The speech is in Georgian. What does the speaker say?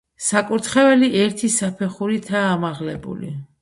საკურთხეველი ერთი საფეხურითაა ამაღლებული.